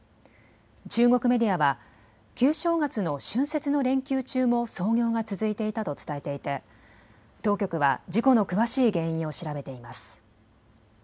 中国メディアは旧正月の春節の連休中も操業が続いていたと伝えていて、当局は事故の詳しい原因を調べています。